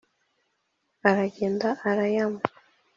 aragenda aralyama